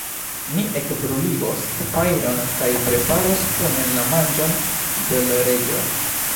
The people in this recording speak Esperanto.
Ni ekbruligos fajron kaj preparos kune la manĝon de l' Reĝo.